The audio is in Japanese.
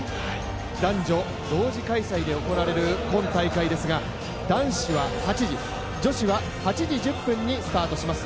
男女同時開催で行われる今大会ですが、男子は８時、女子は８時１０分にスタートします。